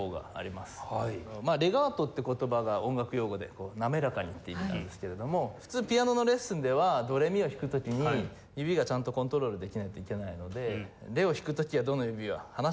「レガート」って言葉が音楽用語で「なめらかに」って意味なんですけれども普通ピアノのレッスンではドレミを弾く時に指がちゃんとコントロールできないといけないのでレを弾く時はドの指は離しなさいって。